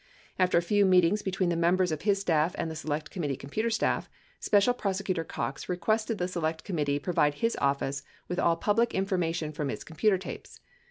After a few meetings between members of his staff and the Select Committee computer staff. Special Prosecutor Cox requested the Select Committee provide his Office with all public information from its computer tapes.